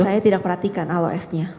saya tidak perhatikan alo esnya